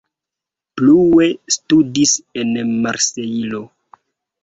Plue studis en Marsejlo.